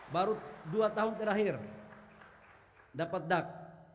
baru dua tahun terakhir dapat dak